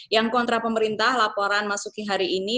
yang kontra pemerintah laporan masuki hari ini